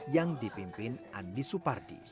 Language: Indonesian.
yang dipimpin andi supardi